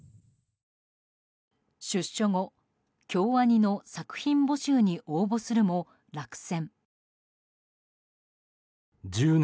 出所後、京アニの作品募集に応募するも落選。